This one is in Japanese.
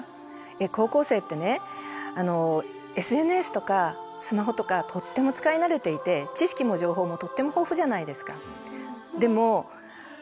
高校生ってねＳＮＳとかスマホとかとっても使い慣れていて知識も情報もとっても豊富じゃないですか。